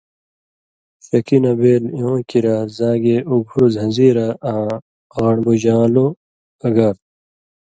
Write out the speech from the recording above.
شکی نہ بېل، (اِواں کریا) زاں گے اُگُھر زھن٘زیرہ آں غن٘ڑبُژان٘لو اگار (تُھو)